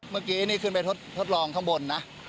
เมื่อกี้นี่ขึ้นไปทดลองข้างบนนะ